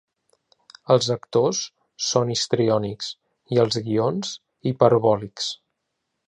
Els actors són histriònics i els guions hiperbòlics.